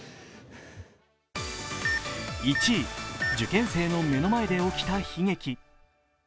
１位、受験生の目の前で起きた悲劇。